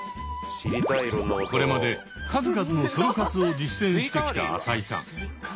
これまで数々のソロ活を実践してきた朝井さん。